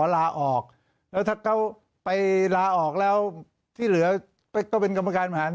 ลาออกแล้วถ้าเขาไปลาออกแล้วที่เหลือก็เป็นกรรมการบริหาร